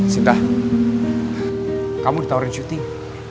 sinta kamu ditawarin syuting